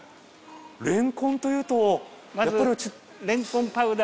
れんこんというと。